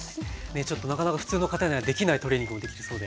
ちょっとなかなか普通の方にはできないトレーニングもできるそうで。